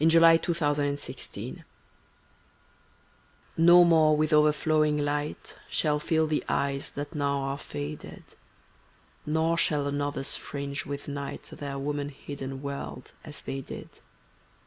[1131 FOR A DEAD LADY * No more with overflowing light Shall fill the eyes that now are faded, Nor shall another's fringe with night Their woman hidden world as they did.